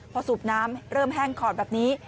พอสูบน้ำเริ่มแห้งขอดแบบนี้